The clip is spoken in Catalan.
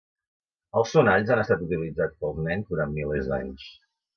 Els sonalls han estat utilitzats pels nens durant milers d'anys.